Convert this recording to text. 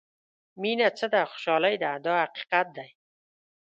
مینه څه ده خوشالۍ ده دا حقیقت دی.